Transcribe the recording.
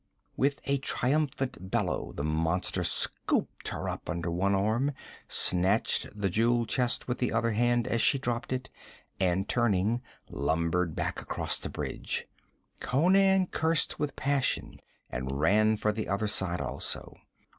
With a triumphant bellow the monster scooped her up under one arm, snatched the jewel chest with the other hand as she dropped it, and turning, lumbered back across the bridge. Conan cursed with passion and ran for the other side also.